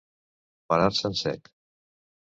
Parar-se en sec.